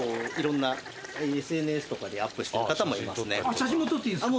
写真も撮っていいんすか。